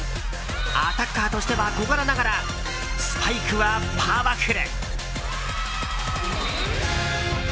アタッカーとしては小柄ながらスパイクはパワフル。